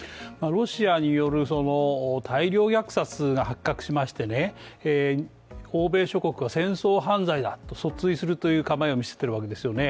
ロシアによる大量虐殺が発覚しまして、欧米諸国は戦争犯罪だと訴追する構えを見せているわけですよね。